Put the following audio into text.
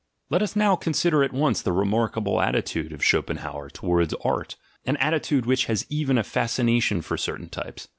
Let us now consider at once the remarkable attitude of Schopenhauer towards art, an attitude which has even a fascination for certain types.